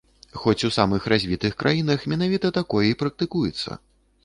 Хоць у самых развітых краінах менавіта такое і практыкуецца.